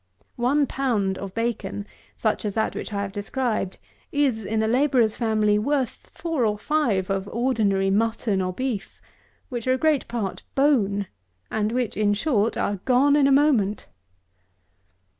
One pound of bacon, such as that which I have described, is, in a labourer's family, worth four or five of ordinary mutton or beef, which are great part bone, and which, in short, are gone in a moment.